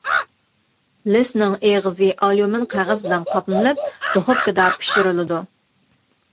لېسنىڭ ئېغىزى ئاليۇمىن قەغەز بىلەن قاپلىنىپ، دۇخوپكىدا پىشۇرۇلىدۇ.